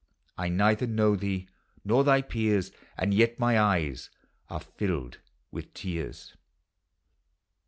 I neither know thee nor thy peers; And yet my eyes are tilled with tears.